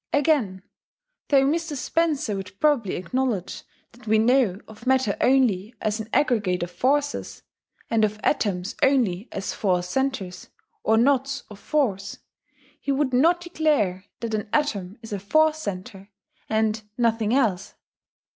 Again, though Mr. Spencer would probably acknowledge that we know of matter only as an aggregate of forces, and of atoms only as force centres, or knots of force, he would not declare that an atom is a force centre, and nothing else....